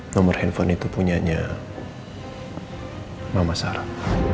nomor handphone itu punyanya mama sarah